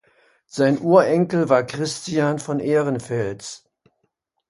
Sein Urenkel war Christian von Ehrenfels.